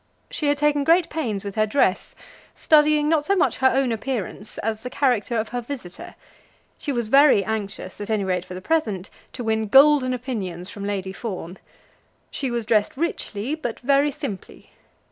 She had taken great pains with her dress, studying not so much her own appearance as the character of her visitor. She was very anxious, at any rate for the present, to win golden opinions from Lady Fawn. She was dressed richly, but very simply.